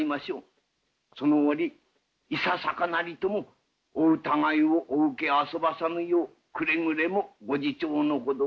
その折いささかなりともお疑いをお受けあそばさぬようくれぐれもご自重のほどを。